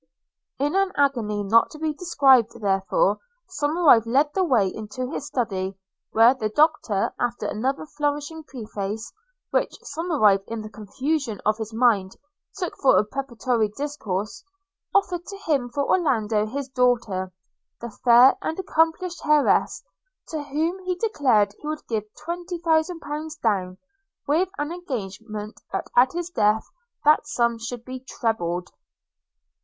In an agony not to be described, therefore, Somerive led the way into his study; where the Doctor, after another flourishing preface, which Somerive in the confusion of his mind took for a preparatory discourse, offered to him for Orlando his daughter, the fair and accomplished heiress, to whom he declared he would give twenty thousand pounds down, with an engagement that at at his death that sum should be trebled.